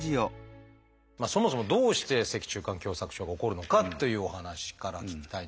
そもそもどうして脊柱管狭窄症が起こるのかっていうお話から聞きたいんですけどいかがですか？